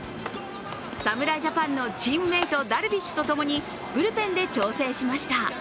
侍ジャパンのチームメートダルビッシュと共にブルペンで調整しました。